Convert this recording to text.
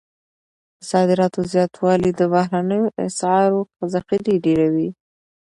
د صادراتو زیاتوالی د بهرنیو اسعارو ذخیرې ډیروي.